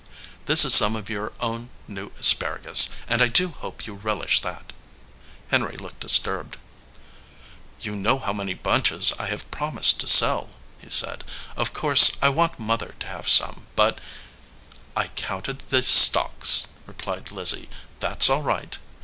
"This is some of your own new asparagus, and I do hope you relish that." Henry looked disturbed. "You know how many bunches I have promised to sell," he said. "Of course I want Mother to have some, but " "I counted the stalks," replied Lizzie. "That s all right."